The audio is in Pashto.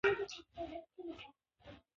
هره وعده مسوولیت لري